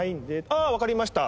ああわかりました。